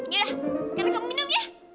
ya sekarang kamu minum ya